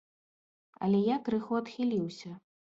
Але я крыху адхіліўся.